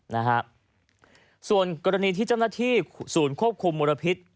นะฮะส่วนกรณีที่เจ้าหน้าที่ศูนย์ควบคุมมลพิษ